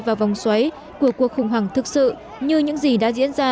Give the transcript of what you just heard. vào vòng xoáy của cuộc khủng hoảng thực sự như những gì đã diễn ra